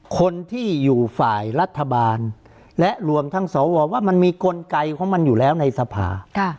คนที่อยู่ฝ่ายรัฐบาลและรวมทั้งสวว่ามันมีกลไกของมันอยู่แล้วในสภา